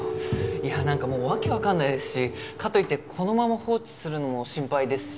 いやなんかもうわけわかんないですしかといってこのまま放置するのも心配ですし。